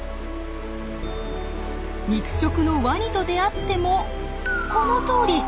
肉食のワニと出会ってもこのとおり。